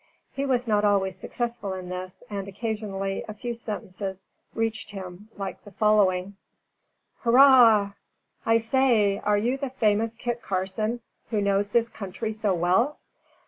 He was not always successful in this, and occasionally a few sentences reached him like the following: "Hurrah!" "I say! are you the famous Kit Carson, who knows this country so well?"